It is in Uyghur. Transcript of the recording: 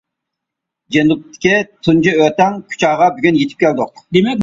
جەنۇبتىكى تۇنجى ئۆتەڭ كۇچاغا بۈگۈن يېتىپ كەلدۇق.